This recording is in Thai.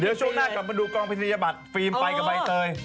เดี๋ยวช่วงหน้ากลับมาดูกองพินัยบัตรฟิล์มไปกับใบเตย